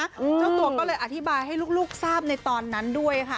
เจ้าตัวก็เลยอธิบายให้ลูกทราบในตอนนั้นด้วยค่ะ